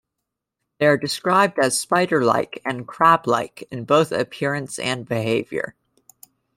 They are described as "spider-like" and "crab-like", in both appearance and behavior.